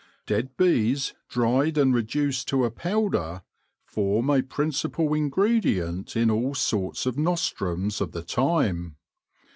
Dead bees, dried and reduced to a powder, form a principal ingredient in all sorts of nostrums of the time.